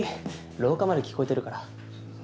廊下まで聞こえてるから。